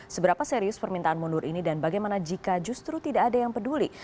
seberapa serius permintaan mundur ini dan bagaimana jika justru tidak ada yang peduli